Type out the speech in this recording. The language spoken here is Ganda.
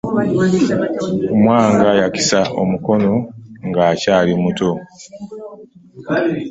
Mwanga yakisa omukono nga akyali muto.